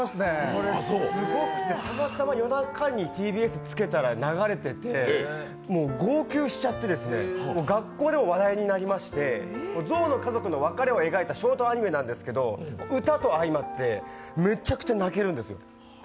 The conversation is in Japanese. これすごくて、たまたま夜中にＴＢＳつけたらやっていましてもう号泣しちゃって、学校でも話題になりまして、象の家族の別れを描いたショートアニメなんですけど歌と相まって、めちゃくちゃ泣けるんですよ。